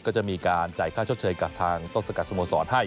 ก็จะมีการจ่ายค่าชดเชยกับทางต้นสกัดสโมสรให้